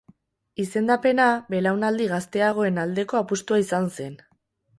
Izendapena belaunaldi gazteagoen aldeko apustua izan zen.